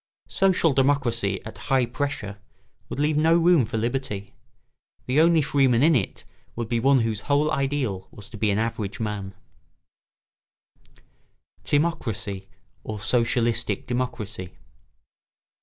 Social democracy at high pressure would leave no room for liberty. The only freeman in it would be one whose whole ideal was to be an average man. [Sidenote: Timocracy or socialistic democracy.